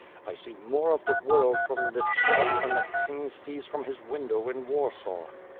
I see more of the world from this spot than the king sees from his window in Warsaw."